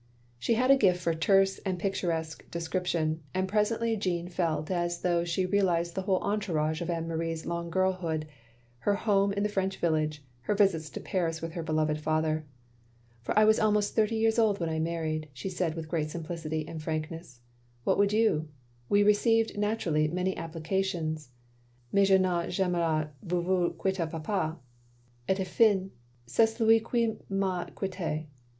" She had a gift for terse and picturesque de scription, and presently Jeanne felt as though she realised the whole entourage of Anne Marie's long girlhood — her home in the French village — ^her visits to Paris with her beloved father. For I was almost thirty years old when I married," she said with great simplicity and frankness. "What would you? We received, naturally, many applications. Mais je n'ai ja mais voulu quitter papa! Et enfin, c' est ltd qui m' a quitt6e.